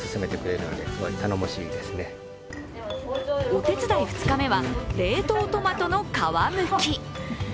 お手伝い２日目は、冷凍トマトの皮むき。